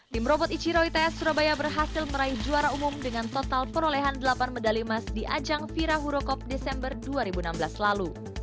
tim robot ichiro its surabaya berhasil meraih juara umum dengan total perolehan delapan medali emas di ajang vira hurokop desember dua ribu enam belas lalu